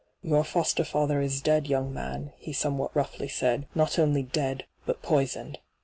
'Your fo8ter &ther is dead, young man,' he somewhat roughly said. ' Not only dead, but poisoned.